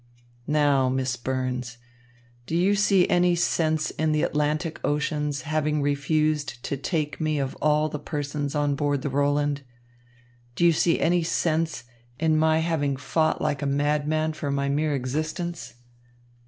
"Now, Miss Burns, do you see any sense in the Atlantic Ocean's having refused to take me of all the persons on board the Roland? Do you see any sense in my having fought like a madman for my mere existence?